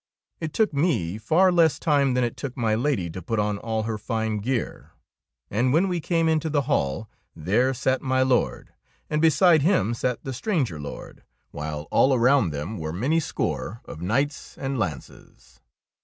It took me far less time than it took my Lady to put on all her fine gear, and when we came into the hall, there sat my Lord, and beside him sat the stranger lord, while all around them were many score of knights and lances.